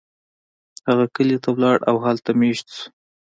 هغه کلی ته لاړ او هلته میشت شو.